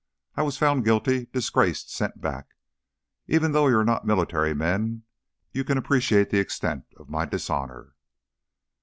I was found guilty, disgraced, sent back. Even though you are not military men, you can appreciate the extent of my dishonor.